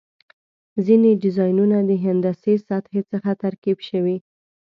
ځینې ډیزاینونه د هندسي سطحې څخه ترکیب شوي.